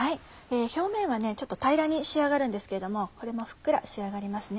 表面はちょっと平らに仕上がるんですけれどもこれもふっくら仕上がりますね